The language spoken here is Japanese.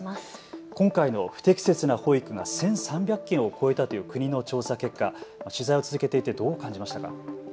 今回の不適切な保育が１３００件を超えたという国の調査結果、取材を続けていてどう感じましたか。